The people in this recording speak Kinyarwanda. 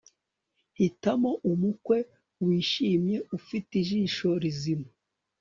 Hitamo umukwe wishimye ufite ijisho rizima